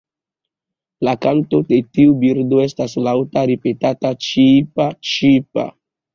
La kanto de tiu birdo estas laŭta ripetata "ĉiipa-ĉiipa".